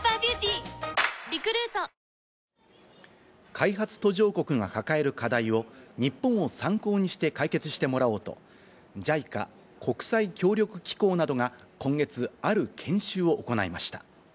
開発途上国が抱える課題を、日本を参考にして解決してもらおうと、ＪＩＣＡ国際協力機構などが今月ある研修を行いました。